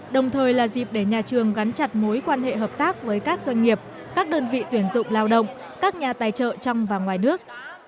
đồng thời là dịp để nhà trường gắn chặt mối quan hệ hợp tác với các doanh nghiệp các đơn vị tuyển dụng lao động các nhà tài trợ trong và ngoài nước